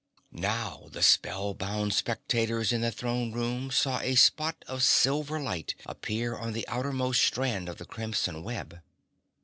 Now the spellbound spectators in the throne room saw a spot of silver light appear on the outermost strand of the crimson web.